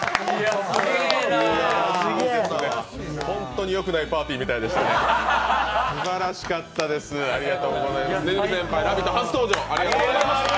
本当によくないパーティーみたいでしたね、すばらしかったです、ありがとうございました、鼠先輩、「ラヴィット！」初登場。